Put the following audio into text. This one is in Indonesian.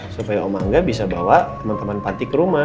supaya om angga bisa bawa temen temen panti ke rumah